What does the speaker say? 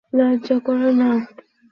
লজ্জা কোরো না।